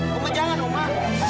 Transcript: oma jangan oma